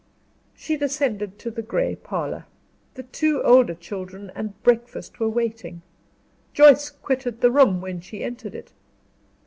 She descended to the gray parlor. The two older children and breakfast were waiting; Joyce quitted the room when she entered it.